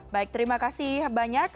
baik terima kasih banyak